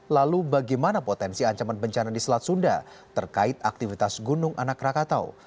lalu bagaimana potensi ancaman bencana di selat sunda terkait aktivitas gunung anak rakatau